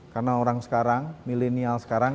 karena orang sekarang milenial sekarang